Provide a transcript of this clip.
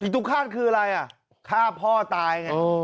ผิดตูฆาตคืออะไรฆ่าพ่อตาย